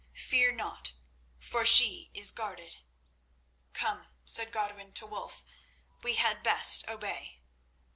Fear not, for she is guarded." "Come," said Godwin to Wulf; "we had best obey."